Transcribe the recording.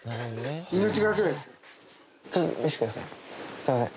すみません